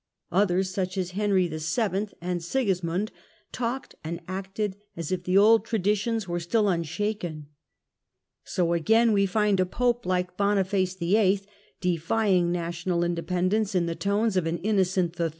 Others, such as Henry VII. and Sigismund, talked and acted as if the old traditions were still unshaken. So, again, we find a Pope, like Boniface VIII., defying national independence in the tones of an Innocent III.